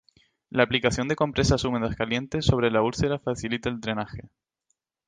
La aplicación de compresas húmedas calientes sobre la úlcera facilita el drenaje.